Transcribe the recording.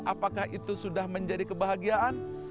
apakah itu sudah menjadi kebahagiaan